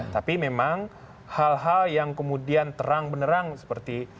tapi memang hal hal yang kemudian terang benerang seperti